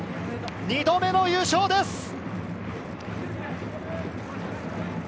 ２度目の優勝です。